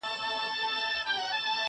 • سپینه آیینه سوم له غباره وځم.